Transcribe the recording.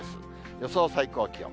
予想最高気温。